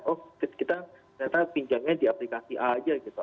oh kita ternyata pinjamnya di aplikasi a aja gitu